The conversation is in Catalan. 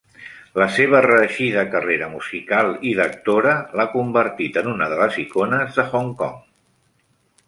La seva reeixida carrera musical i d'actora l'ha convertit en una de les icones de Hong Kong.